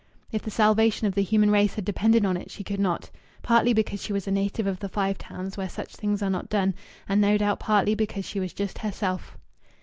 If the salvation of the human race had depended on it, she could not partly because she was a native of the Five Towns, where such things are not done, and no doubt partly because she was just herself.